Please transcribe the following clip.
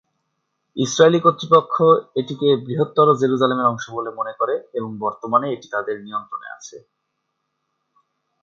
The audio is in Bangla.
ইসরায়েলি কর্তৃপক্ষ এটিকে বৃহত্তর জেরুজালেমের অংশ বলে মনে করে এবং বর্তমানে এটি তাদের নিয়ন্ত্রণে আছে।